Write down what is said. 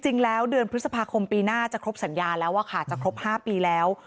จริงแล้วเดือนพฤษภาคมปีหน้าจะครบสัญญาแล้วอะค่ะจะครบ๕ปีแล้ว